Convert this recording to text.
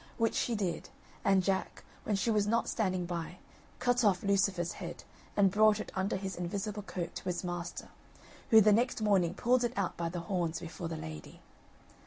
Which she did, and Jack, when she was not standing by, cut off Lucifer's head and brought it under his invisible coat to his master, who the next morning pulled it out by the horns before the lady.